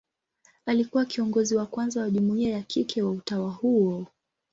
Alikuwa kiongozi wa kwanza wa jumuia ya kike wa utawa huo.